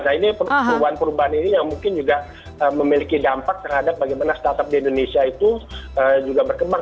nah ini perubahan perubahan ini yang mungkin juga memiliki dampak terhadap bagaimana startup di indonesia itu juga berkembang